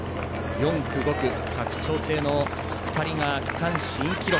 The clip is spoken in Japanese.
４区、５区、佐久長聖の２人が区間新記録。